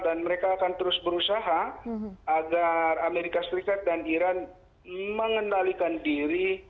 dan mereka akan terus berusaha agar amerika serikat dan iran mengendalikan diri